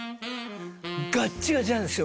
ガッチガチなんですよ